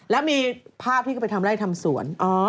แล้วมีภาพที่เขาไปทำไล่ทำสวน